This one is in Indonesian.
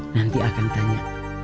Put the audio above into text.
nanti akan tanya